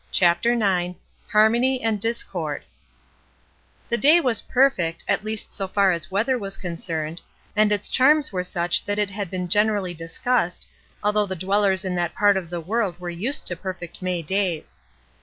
CHAPTER IX HARMONY AND DISCORD THE day was perfect, at least so far as weather was concerned, and its charms were such that it had been generally discussed, although the dwellers in that part of the world were used to perfect May days.